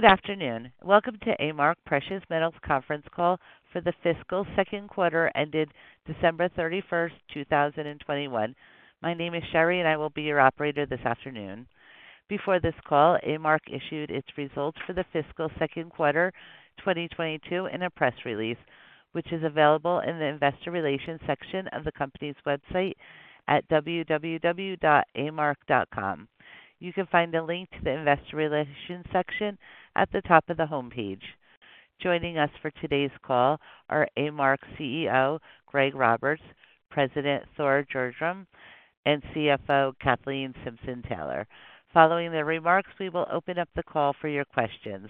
Good afternoon. Welcome to A-Mark Precious Metals conference call for the fiscal second quarter ended December 31st, 2021. My name is Sherry, and I will be your operator this afternoon. Before this call, A-Mark issued its results for the fiscal second quarter 2022 in a press release, which is available in the investor relations section of the company's website at ir.gold.com. You can find a link to the investor relations section at the top of the homepage. Joining us for today's call are A-Mark CEO Greg Roberts, President Thor Gjerdrum, and CFO Kathleen Simpson-Taylor. Following their remarks, we will open up the call for your questions.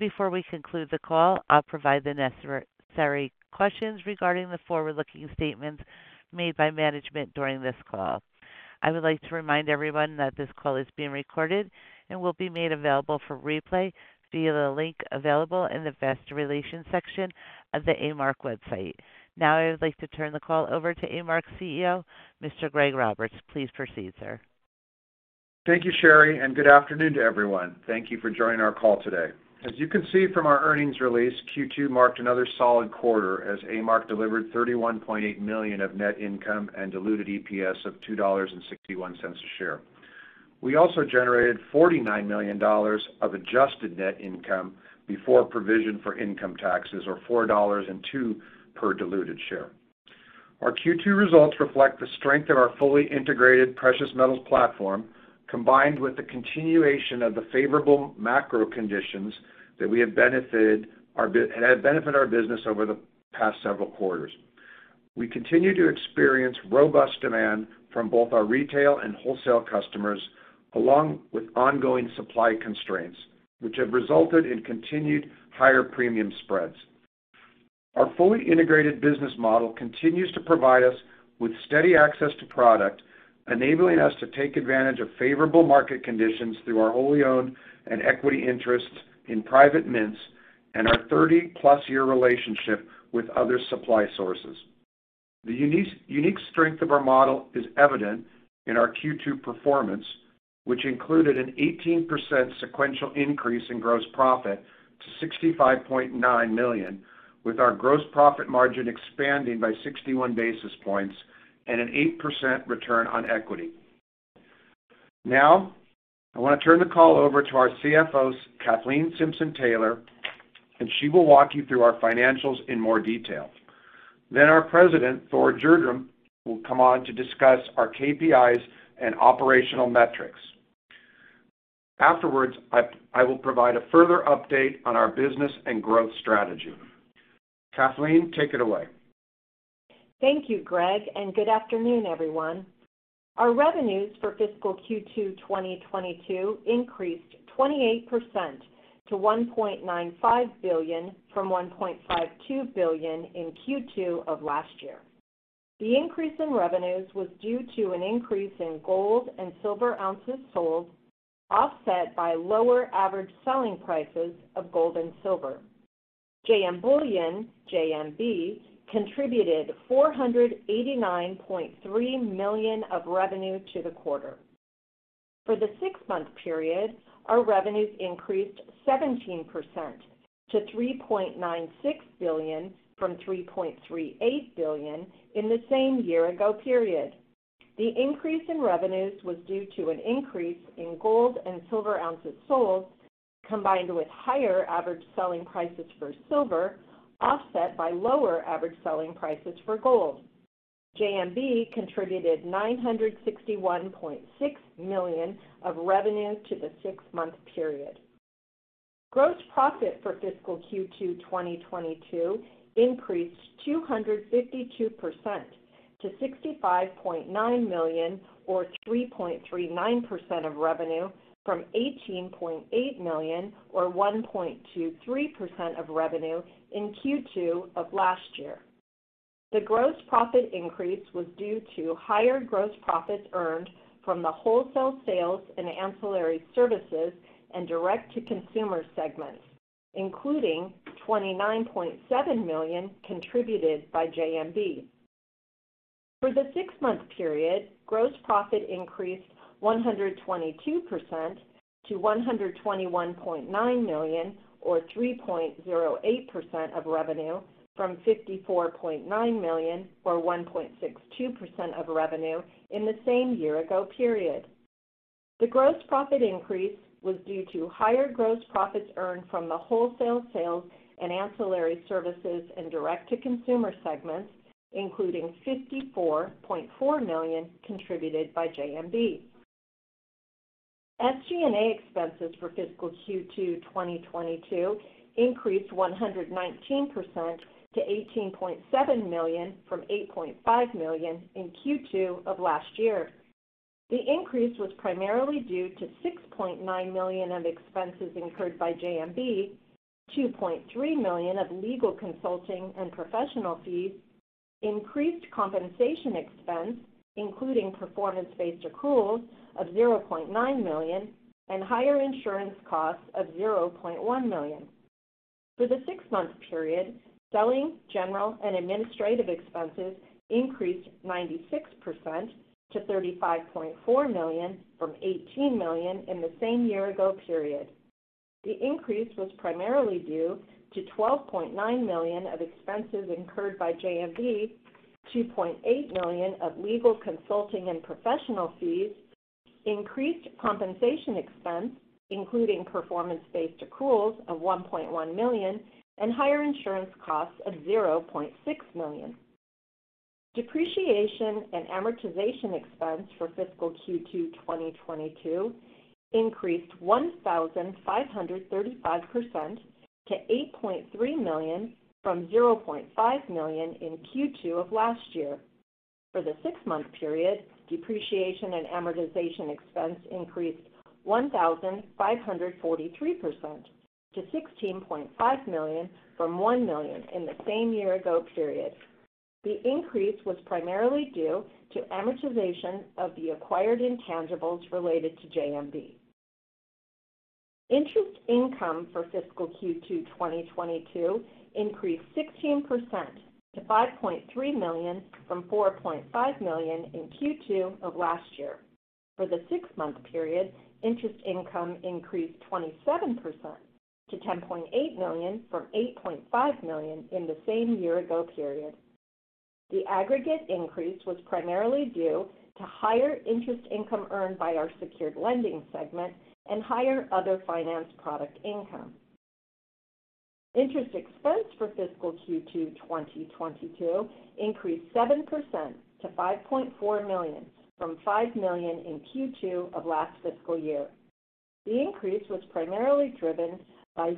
Before we conclude the call, I'll provide the necessary questions regarding the forward-looking statements made by management during this call. I would like to remind everyone that this call is being recorded and will be made available for replay via the link available in the Investor Relations section of the A-Mark website. Now, I would like to turn the call over to A-Mark CEO, Mr. Greg Roberts. Please proceed, sir. Thank you, Sherry, and good afternoon to everyone. Thank you for joining our call today. As you can see from our earnings release, Q2 marked another solid quarter as A-Mark delivered $31.8 million of net income and diluted EPS of $2.61 a share. We also generated $49 million of adjusted net income before provision for income taxes, or $4.02 per diluted share. Our Q2 results reflect the strength of our fully integrated precious metals platform, combined with the continuation of the favorable macro conditions that we have benefited, or that benefit our business over the past several quarters. We continue to experience robust demand from both our retail and wholesale customers, along with ongoing supply constraints, which have resulted in continued higher premium spreads. Our fully integrated business model continues to provide us with steady access to product, enabling us to take advantage of favorable market conditions through our wholly owned and equity interests in private mints and our 30+ year relationship with other supply sources. The unique strength of our model is evident in our Q2 performance, which included an 18% sequential increase in gross profit to $65.9 million, with our gross profit margin expanding by 61 basis points and an 8% return on equity. Now, I wanna turn the call over to our CFO, Kathleen Simpson-Taylor, and she will walk you through our financials in more detail. Our president, Thor Gjerdrum, will come on to discuss our KPIs and operational metrics. Afterwards, I will provide a further update on our business and growth strategy. Kathleen, take it away. Thank you, Greg, and good afternoon, everyone. Our revenues for fiscal Q2 2022 increased 28% to $1.95 billion from $1.52 billion in Q2 of last year. The increase in revenues was due to an increase in gold and silver ounces sold, offset by lower average selling prices of gold and silver. JM Bullion, JMB, contributed $489.3 million of revenue to the quarter. For the six-month period, our revenues increased 17% to $3.96 billion from $3.38 billion in the same year ago period. The increase in revenues was due to an increase in gold and silver ounces sold, combined with higher average selling prices for silver, offset by lower average selling prices for gold. JMB contributed $961.6 million of revenue to the six-month period. Gross profit for fiscal Q2 2022 increased 252% to $65.9 million or 3.39% of revenue from $18.8 million or 1.23% of revenue in Q2 of last year. The gross profit increase was due to higher gross profits earned from the wholesale sales, ancillary services, and direct-to-consumer segments, including $29.7 million contributed by JMB. For the six-month period, gross profit increased 122% to $121.9 million or 3.08% of revenue from $54.9 million or 1.62% of revenue in the same year ago period. The gross profit increase was due to higher gross profits earned from the wholesale sales, ancillary services, and direct-to-consumer segments, including $54.4 million contributed by JMB. SG&A expenses for fiscal Q2 2022 increased 119% to $18.7 million from $8.5 million in Q2 of last year. The increase was primarily due to $6.9 million of expenses incurred by JMB, $2.3 million of legal consulting and professional fees, increased compensation expense, including performance-based accruals of $0.9 million and higher insurance costs of $0.1 million. For the six-month period, selling, general, and administrative expenses increased 96% to $35.4 million from $18 million in the same year ago period. The increase was primarily due to $12.9 million of expenses incurred by JMB, $2.8 million of legal consulting and professional fees, increased compensation expense, including performance-based accruals of $1.1 million, and higher insurance costs of $0.6 million. Depreciation and amortization expense for fiscal Q2 2022 increased 1,535% to $8.3 million from $0.5 million in Q2 of last year. For the six-month period, depreciation and amortization expense increased 1,543% to $16.5 million from $1 million in the same year ago period. The increase was primarily due to amortization of the acquired intangibles related to JMB. Interest income for fiscal Q2 2022 increased 16% to $5.3 million from $4.5 million in Q2 of last year. For the six-month period, interest income increased 27% to $10.8 million from $8.5 million in the same year ago period. The aggregate increase was primarily due to higher interest income earned by our secured lending segment and higher other finance product income. Interest expense for fiscal Q2 2022 increased 7% to $5.4 million from $5 million in Q2 of last fiscal year. The increase was primarily driven by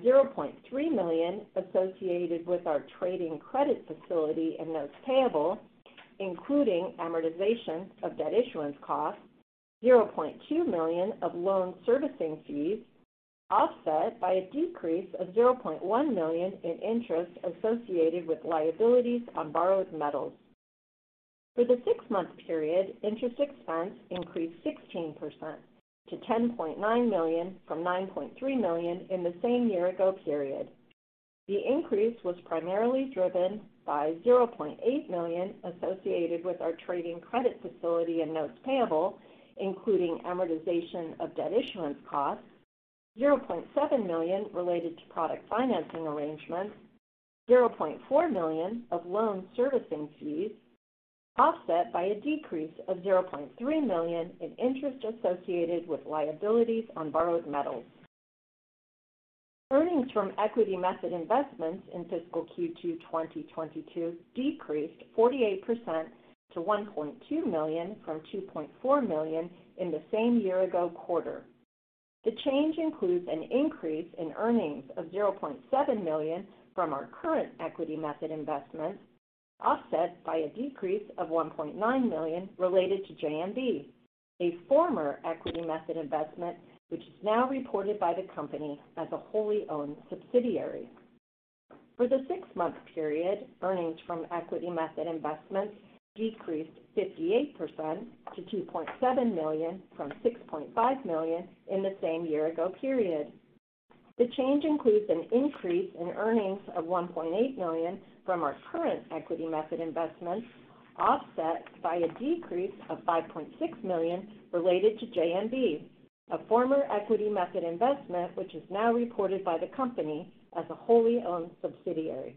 $0.3 million associated with our trading credit facility and notes payable, including amortization of debt issuance costs, $0.2 million of loan servicing fees, offset by a decrease of $0.1 million in interest associated with liabilities on borrowed metals. For the six-month period, interest expense increased 16% to $10.9 million from $9.3 million in the same year ago period. The increase was primarily driven by $0.8 million associated with our trading credit facility and notes payable, including amortization of debt issuance costs, $0.7 million related to product financing arrangements, $0.4 million of loan servicing fees, offset by a decrease of $0.3 million in interest associated with liabilities on borrowed metals. Earnings from equity method investments in fiscal Q2 2022 decreased 48% to $1.2 million from $2.4 million in the same year ago quarter. The change includes an increase in earnings of $0.7 million from our current equity method investment, offset by a decrease of $1.9 million related to JMB, a former equity method investment, which is now reported by the company as a wholly owned subsidiary. For the six-month period, earnings from equity method investments decreased 58% to $2.7 million from $6.5 million in the same year ago period. The change includes an increase in earnings of $1.8 million from our current equity method investment, offset by a decrease of $5.6 million related to JMB, a former equity method investment, which is now reported by the company as a wholly owned subsidiary.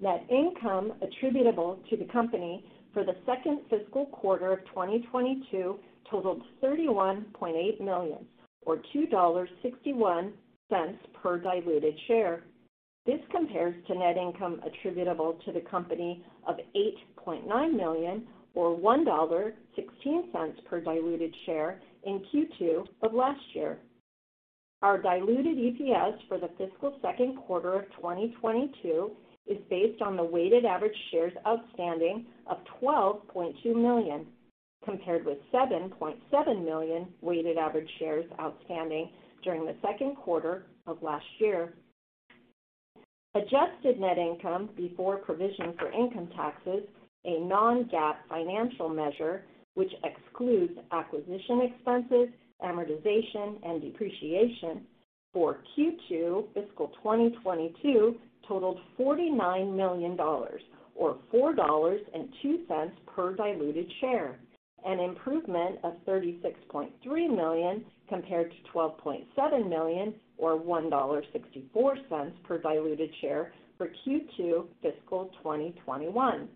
Net income attributable to the company for the second fiscal quarter of 2022 totaled $31.8 million, or $2.61 per diluted share. This compares to net income attributable to the company of $8.9 million or $1.16 per diluted share in Q2 of last year. Our diluted EPS for the fiscal second quarter of 2022 is based on the weighted average shares outstanding of 12.2 million, compared with 7.7 million weighted average shares outstanding during the second quarter of last year. Adjusted net income before provision for income taxes, a non-GAAP financial measure, which excludes acquisition expenses, amortization, and depreciation for Q2 fiscal 2022 totaled $49 million, or $4.02 per diluted share, an improvement of 36.3 million compared to 12.7 million or $1.64 per diluted share for Q2 fiscal 2021.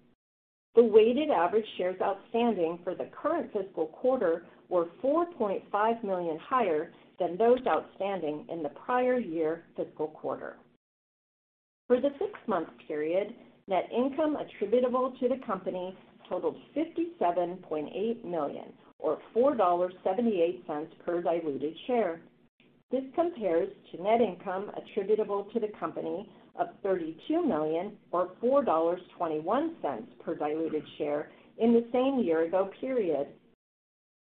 The weighted average shares outstanding for the current fiscal quarter were 4.5 million higher than those outstanding in the prior year fiscal quarter. For the six-month period, net income attributable to the company totaled $57.8 million or $4.78 per diluted share. This compares to net income attributable to the company of $32 million or $4.21 per diluted share in the same year ago period.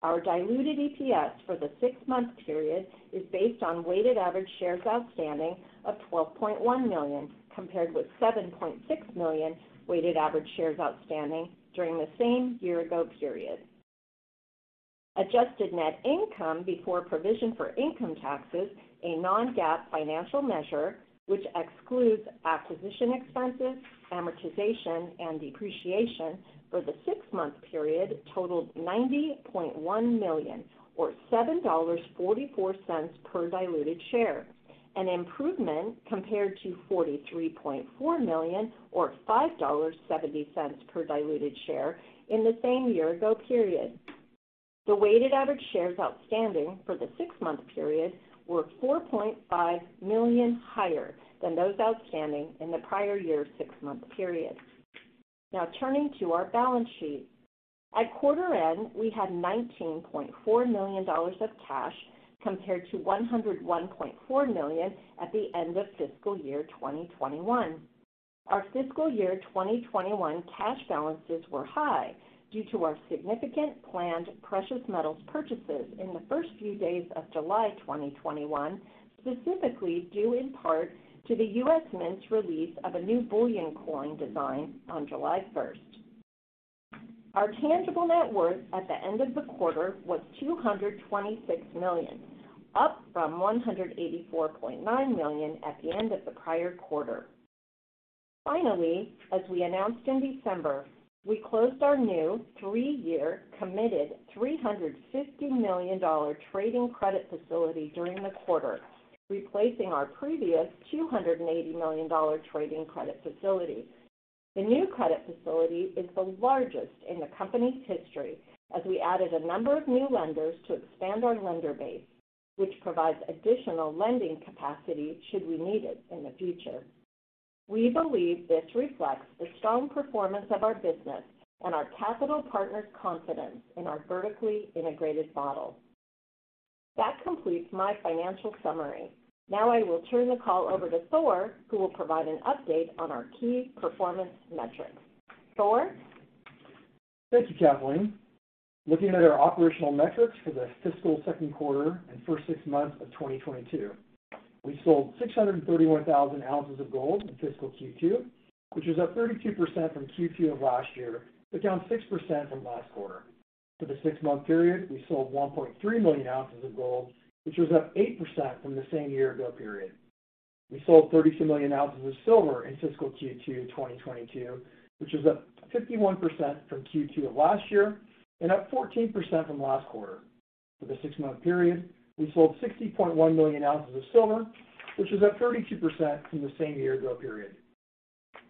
Our diluted EPS for the six-month period is based on weighted average shares outstanding of 12.1 million, compared with 7.6 million weighted average shares outstanding during the same year ago period. Adjusted net income before provision for income taxes, a non-GAAP financial measure, which excludes acquisition expenses, amortization, and depreciation for the six-month period totaled $90.1 million or $7.44 per diluted share, an improvement compared to $43.4 million or $5.70 per diluted share in the same year ago period. The weighted average shares outstanding for the six-month period were 4.5 million higher than those outstanding in the prior year six-month period. Now, turning to our balance sheet. At quarter end, we had $19.4 million of cash compared to $101.4 million at the end of fiscal year 2021. Our fiscal year 2021 cash balances were high due to our significant planned precious metals purchases in the first few days of July 2021, specifically due in part to the U.S. Mint's release of a new bullion coin design on July 1st. Our tangible net worth at the end of the quarter was $226 million, up from $184.9 million at the end of the prior quarter. Finally, as we announced in December, we closed our new three-year committed $350 million trading credit facility during the quarter, replacing our previous $280 million trading credit facility. The new credit facility is the largest in the company's history, as we added a number of new lenders to expand our lender base, which provides additional lending capacity should we need it in the future. We believe this reflects the strong performance of our business and our capital partners' confidence in our vertically integrated model. That completes my financial summary. Now, I will turn the call over to Thor, who will provide an update on our key performance metrics. Thor. Thank you, Kathleen. Looking at our operational metrics for the fiscal second quarter and first six months of 2022, we sold 631,000 oz of gold in fiscal Q2, which was up 32% from Q2 of last year, but down 6% from last quarter. For the six-month period, we sold 1.3 million oz of gold, which was up 8% from the same year ago period. We sold 32 million oz of silver in fiscal Q2 2022, which is up 51% from Q2 of last year and up 14% from last quarter. For the six-month period, we sold 60.1 million oz of silver, which is up 32% from the same year ago period.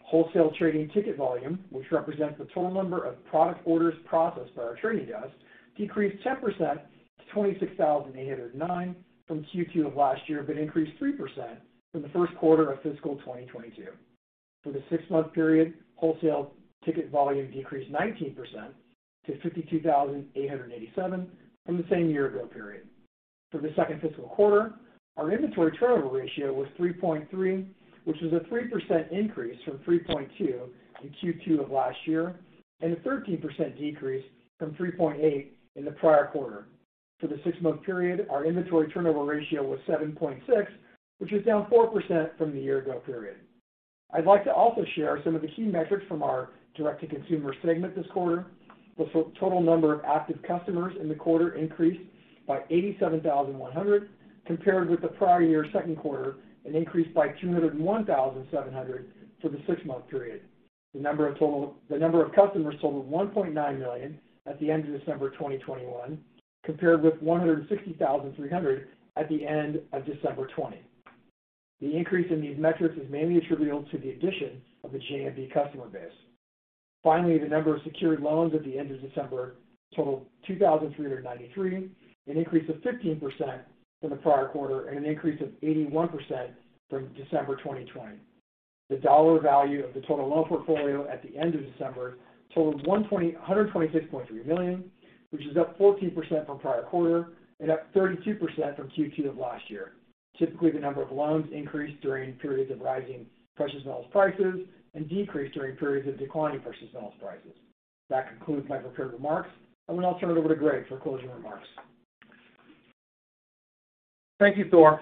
Wholesale trading ticket volume, which represents the total number of product orders processed by our trading desk, decreased 10% to 26,809 from Q2 of last year, but increased 3% from the first quarter of fiscal 2022. For the six-month period, wholesale ticket volume decreased 19% to 52,887 from the same year ago period. For the second fiscal quarter, our inventory turnover ratio was 3.3, which was a 3% increase from 3.2 in Q2 of last year, and a 13% decrease from 3.8 in the prior quarter. For the six-month period, our inventory turnover ratio was 7.6, which is down 4% from the year ago period. I'd like to also share some of the key metrics from our direct-to-consumer segment this quarter. The total number of active customers in the quarter increased by 87,100 compared with the prior-year second quarter, and increased by 201,700 for the six-month period. The number of customers totaled 1.9 million at the end of December 2021, compared with 162,300 at the end of December 2020. The increase in these metrics is mainly attributable to the addition of the JMB customer base. Finally, the number of secured loans at the end of December totaled 2,393, an increase of 15% from the prior quarter and an increase of 81% from December 2020. The dollar value of the total loan portfolio at the end of December totaled $126.3 million, which is up 14% from prior quarter and up 32% from Q2 of last year. Typically, the number of loans increased during periods of rising precious metals prices and decreased during periods of declining precious metals prices. That concludes my prepared remarks, and I'll turn it over to Greg for closing remarks. Thank you, Thor.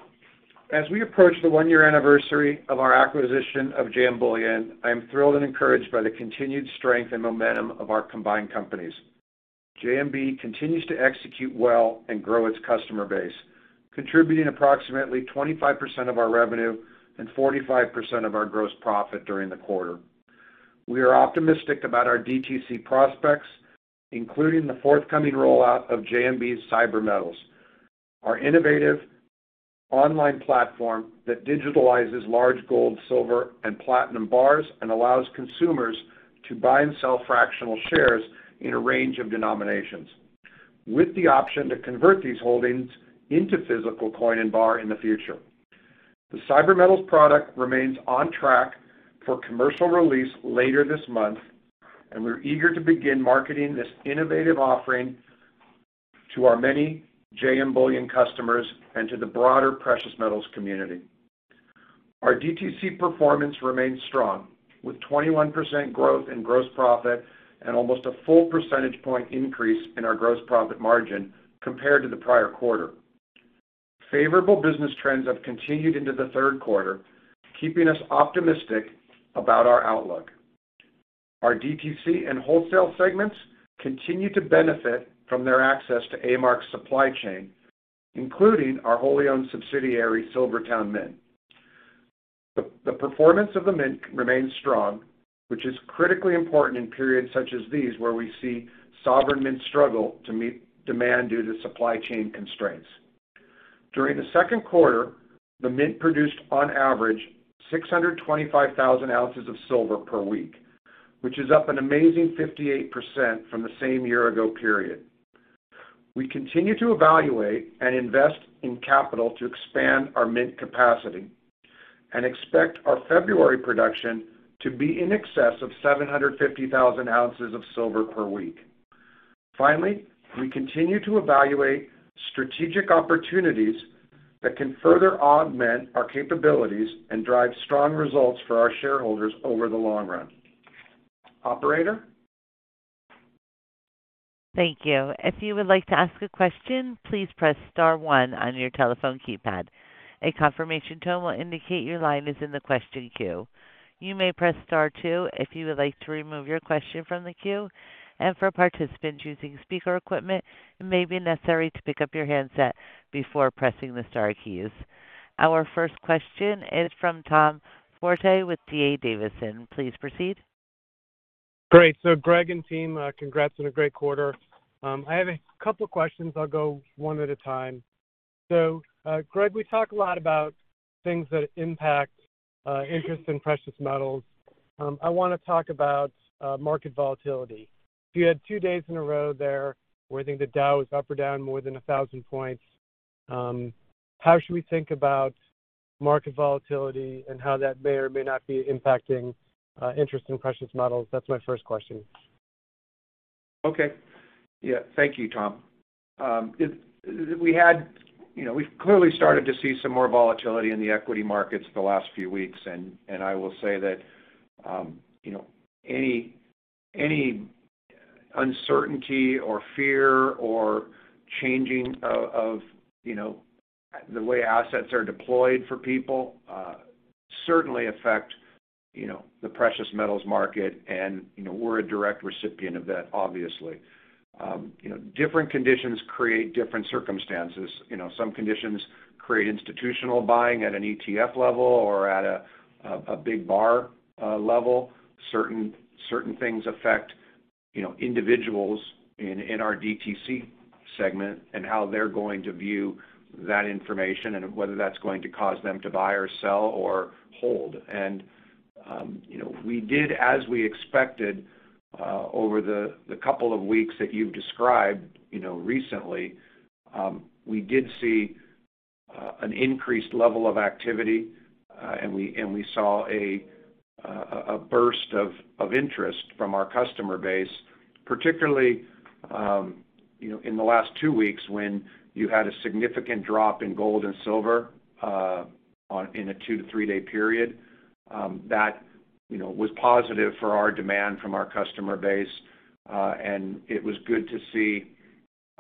As we approach the one-year anniversary of our acquisition of JM Bullion, I am thrilled and encouraged by the continued strength and momentum of our combined companies. JMB continues to execute well and grow its customer base, contributing approximately 25% of our revenue and 45% of our gross profit during the quarter. We are optimistic about our DTC prospects, including the forthcoming rollout of JMB's CyberMetals, our innovative online platform that digitalizes large gold, silver, and platinum bars, and allows consumers to buy and sell fractional shares in a range of denominations, with the option to convert these holdings into physical coin and bar in the future. The CyberMetals product remains on track for commercial release later this month, and we're eager to begin marketing this innovative offering to our many JM Bullion customers and to the broader precious metals community. Our DTC performance remains strong, with 21% growth in gross profit and almost a full percentage point increase in our gross profit margin compared to the prior quarter. Favorable business trends have continued into the third quarter, keeping us optimistic about our outlook. Our DTC and wholesale segments continue to benefit from their access to A-Mark's supply chain, including our wholly owned subsidiary, SilverTowne Mint. The performance of the Mint remains strong, which is critically important in periods such as these, where we see sovereign mints struggle to meet demand due to supply chain constraints. During the second quarter, the Mint produced on average 625,000 oz of silver per week, which is up an amazing 58% from the same year ago period. We continue to evaluate and invest in capital to expand our Mint capacity and expect our February production to be in excess of 750,000 oz of silver per week. Finally, we continue to evaluate strategic opportunities that can further augment our capabilities and drive strong results for our shareholders over the long run. Operator. Thank you. If you would like to ask a question, please press star one on your telephone keypad. A confirmation tone will indicate your line is in the question queue. You may press star two if you would like to remove your question from the queue, and for participants using speaker equipment, it may be necessary to pick up your handset before pressing the star keys. Our first question is from Tom Forte with D.A. Davidson. Please proceed. Great. Greg and team, congrats on a great quarter. I have a couple of questions. I'll go one at a time. Greg, we talk a lot about things that impact interest in precious metals. I wanna talk about market volatility. You had two days in a row there where I think the Dow was up or down more than 1,000 points. How should we think about market volatility and how that may or may not be impacting interest in precious metals? That's my first question. Okay. Yeah. Thank you, Tom. You know, we've clearly started to see some more volatility in the equity markets the last few weeks, and I will say that, you know, any uncertainty or fear or changing of, you know, the way assets are deployed for people, certainly affect, you know, the precious metals market, and, you know, we're a direct recipient of that, obviously. You know, different conditions create different circumstances. You know, some conditions create institutional buying at an ETF level or at a big bar level. Certain things affect, you know, individuals in our DTC segment and how they're going to view that information and whether that's going to cause them to buy or sell or hold. You know, we did as we expected over the couple of weeks that you've described, you know, recently. We did see an increased level of activity, and we saw a burst of interest from our customer base, particularly, you know, in the last two weeks when you had a significant drop in gold and silver in a two- to three-day period. That, you know, was positive for our demand from our customer base, and it was good to see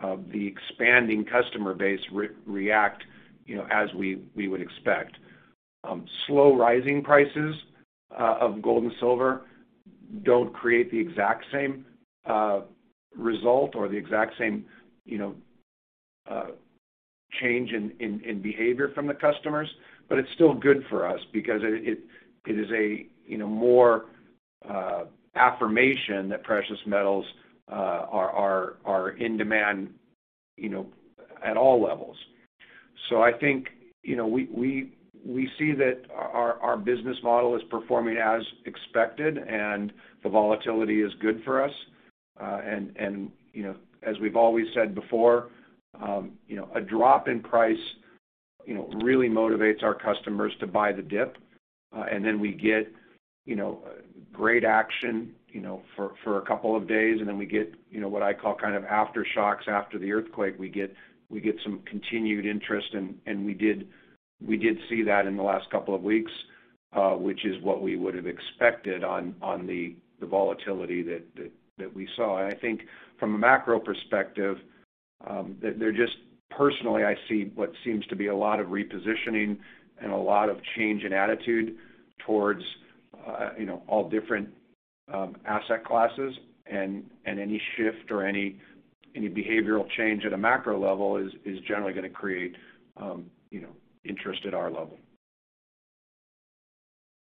the expanding customer base react, you know, as we would expect. Slow rising prices of gold and silver don't create the exact same result or the exact same, you know, change in behavior from the customers. It's still good for us because it is a, you know, more affirmation that precious metals are in demand, you know, at all levels. I think, you know, we see that our business model is performing as expected and the volatility is good for us. You know, as we've always said before, you know, a drop in price, you know, really motivates our customers to buy the dip. We get, you know, great action, you know, for a couple of days, and then we get, you know, what I call kind of aftershocks after the earthquake. We get some continued interest. We did see that in the last couple of weeks, which is what we would have expected on the volatility that we saw. I think from a macro perspective, that there are just personally I see what seems to be a lot of repositioning and a lot of change in attitude towards you know all different asset classes, and any shift or any behavioral change at a macro level is generally gonna create you know interest at our level.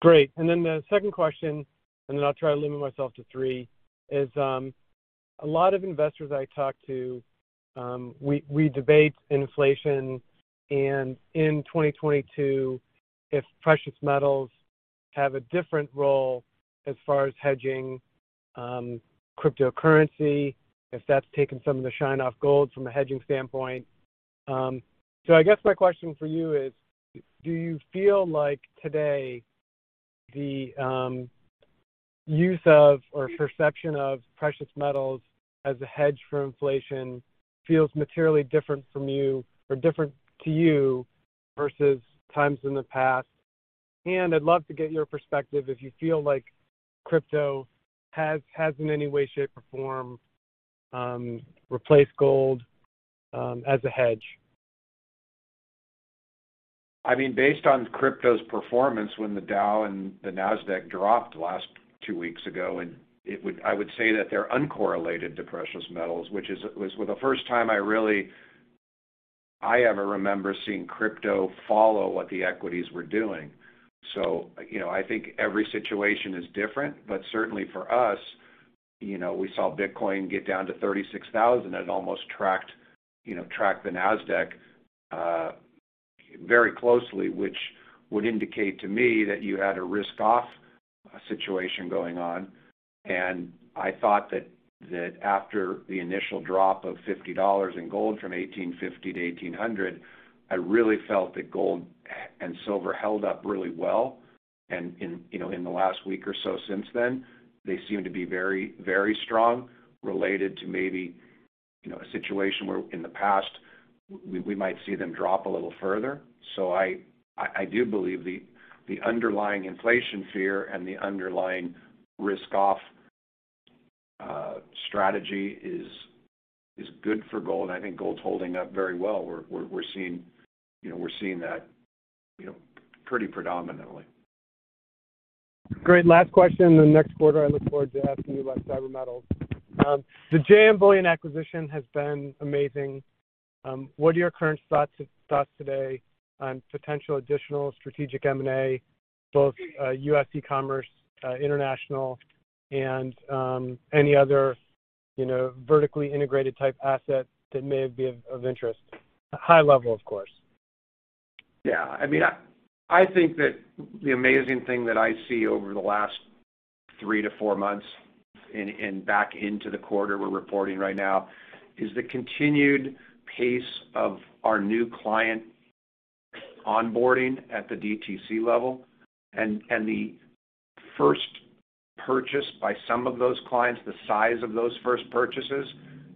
Great. Then the second question, and then I'll try to limit myself to three, is a lot of investors I talk to. We debate inflation and in 2022, if precious metals have a different role as far as hedging cryptocurrency, if that's taken some of the shine off gold from a hedging standpoint. I guess my question for you is, do you feel like today the use of or perception of precious metals as a hedge for inflation feels materially different from you or different to you versus times in the past? I'd love to get your perspective if you feel like crypto has in any way, shape, or form replaced gold as a hedge. I mean, based on crypto's performance when the Dow and the Nasdaq dropped last two weeks ago, I would say that they're uncorrelated to precious metals, which was for the first time I ever remember seeing crypto follow what the equities were doing. You know, I think every situation is different. Certainly for us, you know, we saw Bitcoin get down to 36,000. It almost tracked the Nasdaq very closely, which would indicate to me that you had a risk off situation going on. I thought that after the initial drop of $50 in gold from $1,850 to $1,800, I really felt that gold and silver held up really well. You know, in the last week or so since then, they seem to be very, very strong related to maybe, you know, a situation where in the past we might see them drop a little further. I do believe the underlying inflation fear and the underlying risk off strategy is good for gold. I think gold's holding up very well. We're seeing that, you know, pretty predominantly. Great. Last question, then next quarter I look forward to asking you about CyberMetals. The JM Bullion acquisition has been amazing. What are your current thoughts today on potential additional strategic M&A, both U.S. e-commerce, international and any other, you know, vertically integrated type asset that may be of interest? High level, of course. Yeah. I mean, I think that the amazing thing that I see over the last threeto four months and back into the quarter we're reporting right now is the continued pace of our new client onboarding at the DTC level and the first purchase by some of those clients, the size of those first purchases.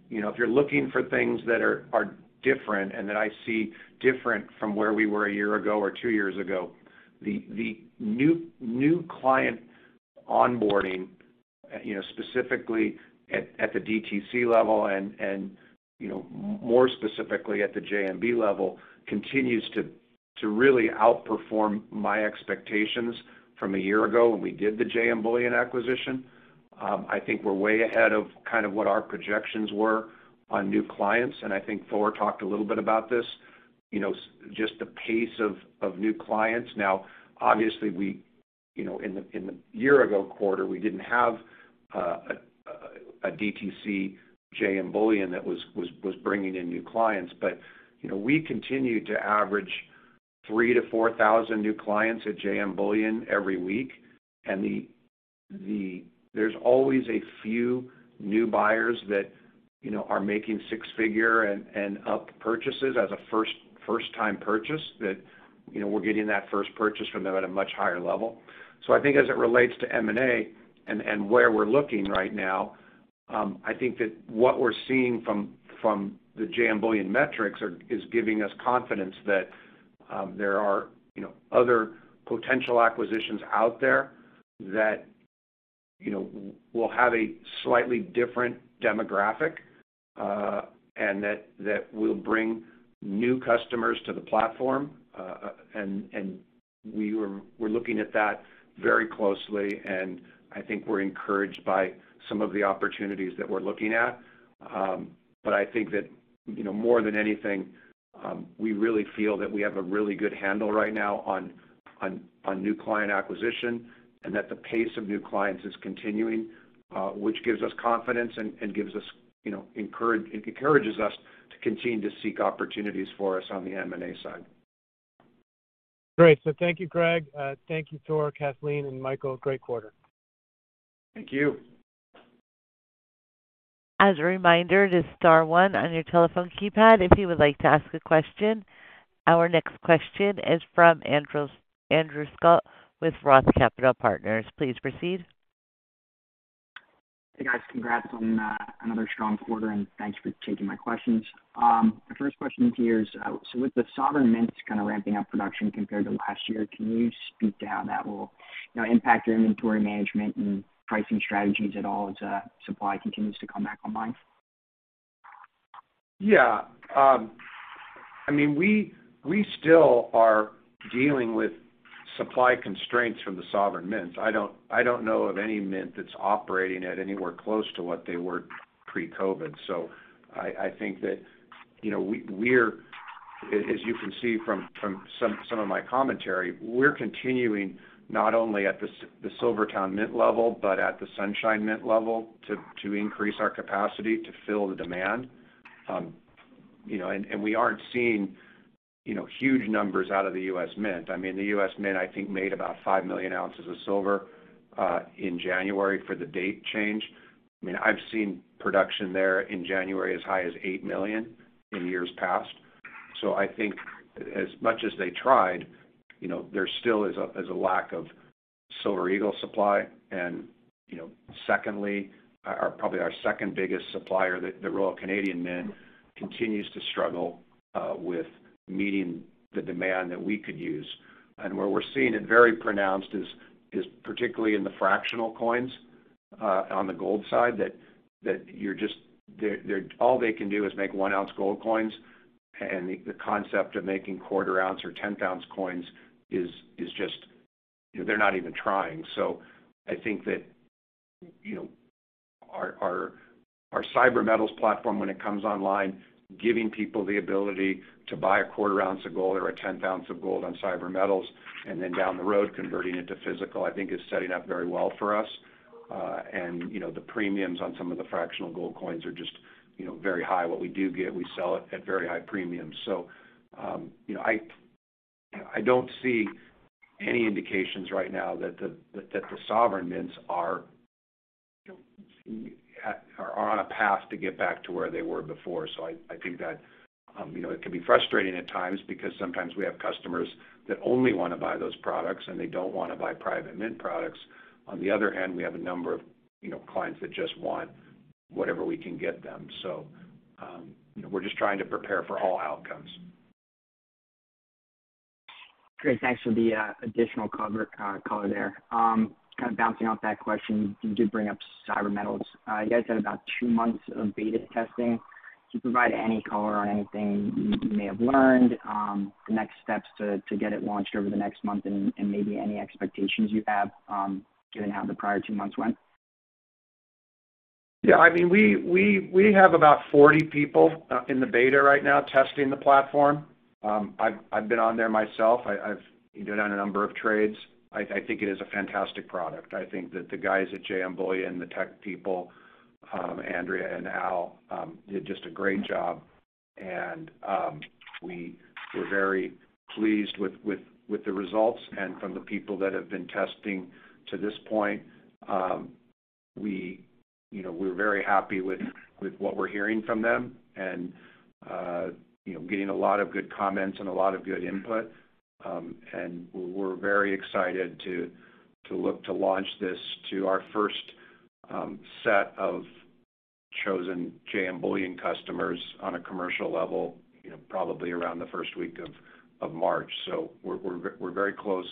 You know, if you're looking for things that are different and that I see different from where we were a year ago or two years ago, the new client onboarding, you know, specifically at the DTC level and, you know, more specifically at the JMB level, continues to really outperform my expectations from a year ago when we did the JM Bullion acquisition. I think we're way ahead of kind of what our projections were on new clients, and I think Thor talked a little bit about this, you know, just the pace of new clients. Now, obviously, we, you know, in the year ago quarter, we didn't have a DTC JM Bullion that was bringing in new clients. You know, we continue to average 3,000-4,000 new clients at JM Bullion every week. There's always a few new buyers that, you know, are making six-figure and up purchases as a first time purchase that, you know, we're getting that first purchase from them at a much higher level. I think as it relates to M&A and where we're looking right now, I think that what we're seeing from the JM Bullion metrics is giving us confidence that there are, you know, other potential acquisitions out there that, you know, will have a slightly different demographic, and that will bring new customers to the platform. We're looking at that very closely, and I think we're encouraged by some of the opportunities that we're looking at. I think that, you know, more than anything, we really feel that we have a really good handle right now on new client acquisition and that the pace of new clients is continuing, which gives us confidence and gives us, you know, it encourages us to continue to seek opportunities for us on the M&A side. Great. Thank you, Greg. Thank you, Thor, Kathleen, and Michael. Great quarter. Thank you. As a reminder, it is star one on your telephone keypad if you would like to ask a question. Our next question is from Scott Searle with Roth Capital Partners. Please proceed. Hey, guys. Congrats on another strong quarter, and thanks for taking my questions. My first question to you is, with the sovereign mints kind of ramping up production compared to last year, can you speak to how that will, you know, impact your inventory management and pricing strategies at all as supply continues to come back online? Yeah. I mean, we still are dealing with supply constraints from the sovereign mints. I don't know of any mint that's operating at anywhere close to what they were pre-COVID. I think that, you know, we're as you can see from some of my commentary, we're continuing not only at the SilverTowne Mint level, but at the Sunshine Mint level to increase our capacity to fill the demand. You know, and we aren't seeing, you know, huge numbers out of the U.S. Mint. I mean, the U.S. Mint, I think, made about 5 million oz of silver in January for the date change. I mean, I've seen production there in January as high as 8 million in years past. I think as much as they tried, there still is a lack of Silver Eagle supply. Secondly, probably our second biggest supplier, the Royal Canadian Mint, continues to struggle with meeting the demand that we could use. Where we're seeing it very pronounced is particularly in the fractional coins. On the gold side, they're just all they can do is make one oz gold coins and the concept of making 1/4 oz or 1/10 oz coins is just. They're not even trying. I think that, you know, our CyberMetals platform when it comes online, giving people the ability to buy a 1/4 oz of gold or a 1/10tenth oz of gold on CyberMetals, and then down the road converting into physical, I think is setting up very well for us. You know, the premiums on some of the fractional gold coins are just, you know, very high. What we do get, we sell it at very high premiums. I don't see any indications right now that the sovereign mints are on a path to get back to where they were before. I think that, you know, it can be frustrating at times because sometimes we have customers that only wanna buy those products and they don't wanna buy private mint products. On the other hand, we have a number of, you know, clients that just want whatever we can get them. You know, we're just trying to prepare for all outcomes. Great. Thanks for the additional color there. Kind of bouncing off that question, you did bring up CyberMetals. You guys had about two months of beta testing. Could you provide any color on anything you may have learned, the next steps to get it launched over the next month and maybe any expectations you have, given how the prior two months went? Yeah, I mean we have about 40 people in the beta right now testing the platform. I've been on there myself. I've done a number of trades. I think it is a fantastic product. I think that the guys at JM Bullion, the tech people, Andrea and Al, did just a great job and we were very pleased with the results and from the people that have been testing to this point. You know, we're very happy with what we're hearing from them and you know, getting a lot of good comments and a lot of good input. We're very excited to look to launch this to our first set of chosen JM Bullion customers on a commercial level, you know, probably around the first week of March. We're very close,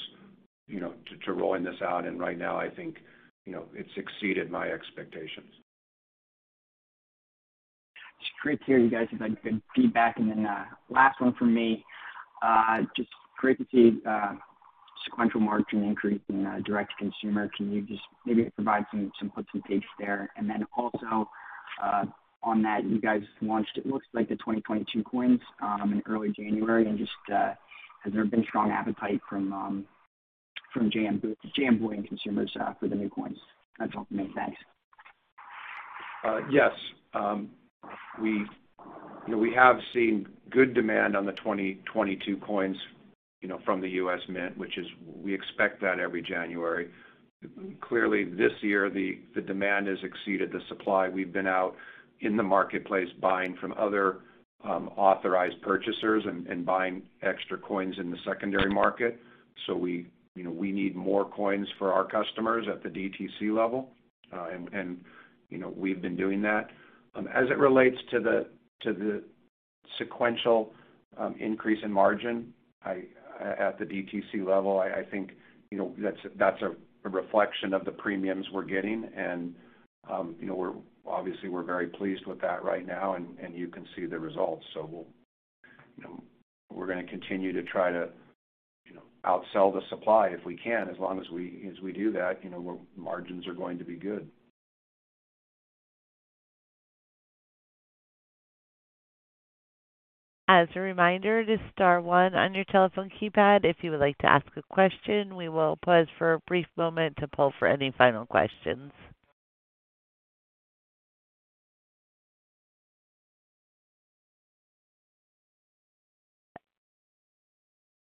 you know, to rolling this out and right now I think, you know, it's exceeded my expectations. It's great to hear you guys have had good feedback. Last one from me. Just great to see sequential margin increase in direct-to-consumer. Can you just maybe provide some color there? On that, you guys launched it looks like the 2022 coins in early January. Has there been strong appetite from JM Bullion consumers for the new coins? That's all for me. Thanks. Yes. You know, we have seen good demand on the 2022 coins, you know, from the U.S. Mint, which we expect every January. Clearly this year, the demand has exceeded the supply. We've been out in the marketplace buying from other authorized purchasers and buying extra coins in the secondary market. You know, we need more coins for our customers at the DTC level. You know, we've been doing that. As it relates to the sequential increase in margin at the DTC level, I think you know, that's a reflection of the premiums we're getting and you know, we're obviously very pleased with that right now and you can see the results. You know, we're gonna continue to try to, you know, outsell the supply if we can. As long as we do that, you know, margins are going to be good. As a reminder, just star one on your telephone keypad if you would like to ask a question. We will pause for a brief moment to poll for any final questions.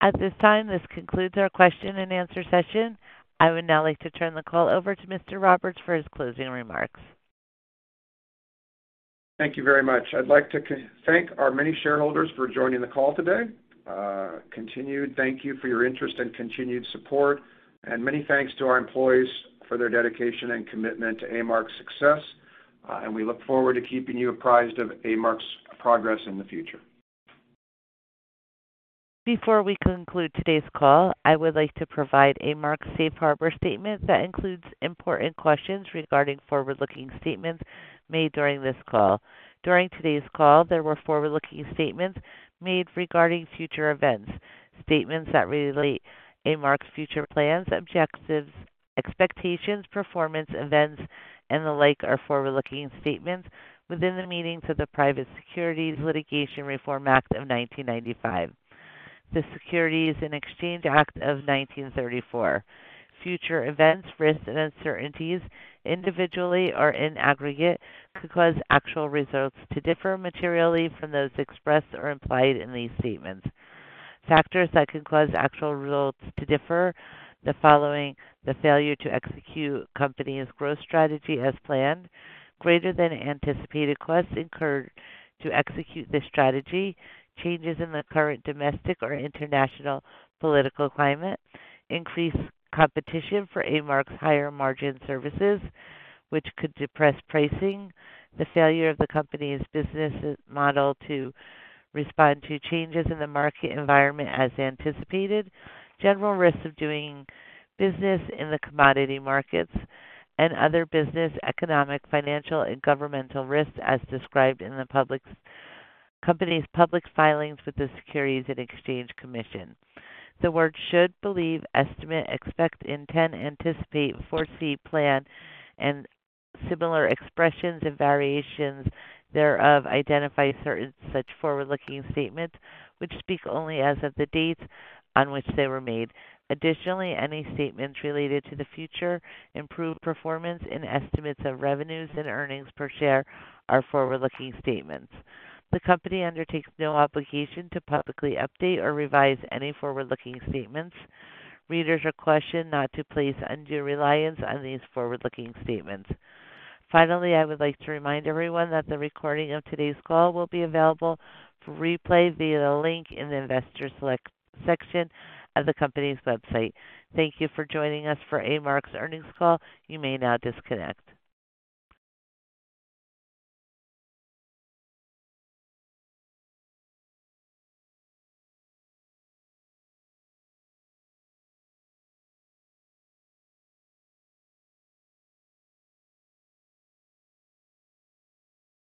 At this time, this concludes our question and answer session. I would now like to turn the call over to Mr. Roberts for his closing remarks. Thank you very much. I'd like to thank our many shareholders for joining the call today. Continued thank you for your interest and continued support. Many thanks to our employees for their dedication and commitment to A-Mark's success, and we look forward to keeping you apprised of A-Mark's progress in the future. Before we conclude today's call, I would like to provide A-Mark's safe harbor statement that includes important questions regarding forward-looking statements made during this call. During today's call, there were forward-looking statements made regarding future events. Statements that relate Gold.com's future plans, objectives, expectations, performance, events, and the like are forward-looking statements within the meanings of the Private Securities Litigation Reform Act of 1995, the Securities Exchange Act of 1934. Future events, risks, and uncertainties, individually or in aggregate, could cause actual results to differ materially from those expressed or implied in these statements. Factors that could cause actual results to differ from the following: the failure to execute company's growth strategy as planned, greater than anticipated costs incurred to execute this strategy, changes in the current domestic or international political climate, increased competition for A-Mark's higher margin services, which could depress pricing, the failure of the company's business model to respond to changes in the market environment as anticipated, general risks of doing business in the commodity markets, and other business, economic, financial, and governmental risks as described in the company's public filings with the Securities and Exchange Commission. The words should, believe, estimate, expect, intend, anticipate, foresee, plan, and similar expressions and variations thereof identify certain such forward-looking statements, which speak only as of the dates on which they were made. Additionally, any statements related to the future improved performance and estimates of revenues and earnings per share are forward-looking statements. The company undertakes no obligation to publicly update or revise any forward-looking statements. Readers are cautioned not to place undue reliance on these forward-looking statements. Finally, I would like to remind everyone that the recording of today's call will be available for replay via the link in the Investor Relations section of the company's website. Thank you for joining us for A-Mark's earnings call. You may now disconnect.